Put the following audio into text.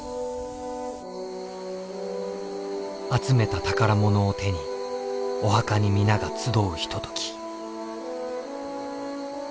集めた宝物を手にお墓に皆が集うひととき。